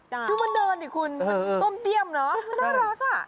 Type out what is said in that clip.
ดูมันเดินดิคุณมันต้มเตี้ยมเนอะน่ารักอ่ะ